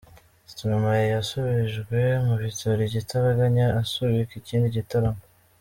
Stromae yasubijwe mu bitaro igitaraganya asubika ikindi gitaramo.